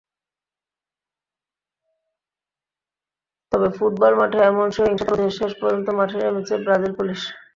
তবে ফুটবল মাঠে এমন সহিংসতা রোধে শেষ পর্যন্ত মাঠে নেমেছে ব্রাজিল পুলিশ।